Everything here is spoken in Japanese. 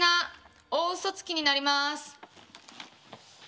大嘘つきになります。